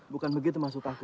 bukan begitu maksud aku